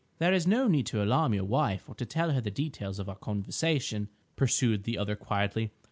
"There is no need to alarm your wife or to tell her the details of our conversation," pursued the other quietly.